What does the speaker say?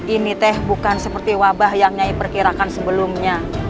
ini teh bukan seperti wabah yang nyai perkirakan sebelumnya